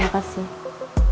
dari sikap alex yang menarik